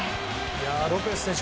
ロペス選手